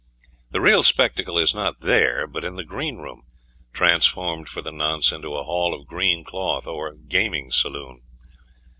The real spectacle is not there, but in the green room, transformed for the nonce into a hall of green cloth or gaming saloon.